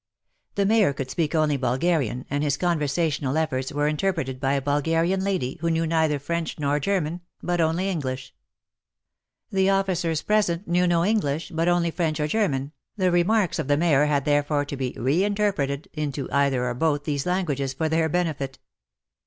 The Mayor could speak only Bulgarian, and his conversational efforts were interpreted by a Bulgarian lady who knew neither French nor German, but only English. The officers 44 WAR AND WOMEN present knew no English, but only French or German, the remarks of the Mayor had there fore to be re interpreted into either or both these languages for their benefit.